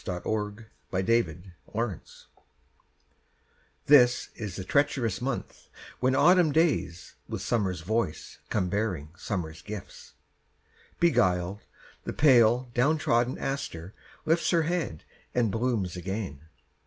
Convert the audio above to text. Helen Hunt Jackson November THIS is the treacherous month when autumn days With summer's voice come bearing summer's gifts. Beguiled, the pale down trodden aster lifts Her head and blooms again.